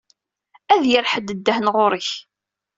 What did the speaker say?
Ad d-yerr ḥedd ddhen ɣur-k.